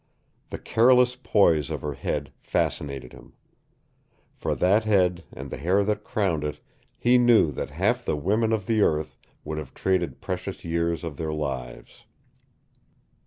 The careless poise of her head fascinated him. For that head and the hair that crowned it he knew that half the women of the earth would have traded precious years of their lives.